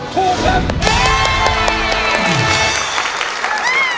ถูกครับ